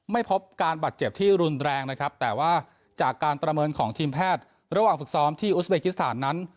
ไม่พบการบาดเจ็บที่รุนแรงนะครับแต่ว่าจากการประเมินของทีมแพทย์ระหว่างฝึกซ้อมที่อุสเบกิสถานนั้น